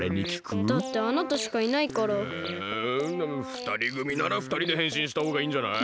ふたりぐみならふたりでへんしんしたほうがいいんじゃない？